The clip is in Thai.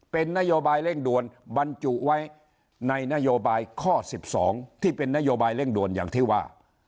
เป็นนโยบายเร่งด่วนบรรจุไว้ในนโยบายข้อ๑๒ที่เป็นนโยบายเร่งด่วนอย่างที่ว่า